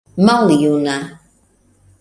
maljuna